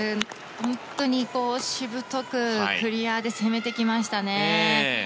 本当にしぶとく、クリアで攻めてきましたね。